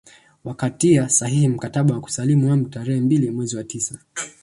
Wakatia sahihi mkataba wa kusalimu amri tarehe mbili mwezi wa tisa